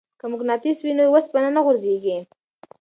که مقناطیس وي نو وسپنه نه غورځیږي.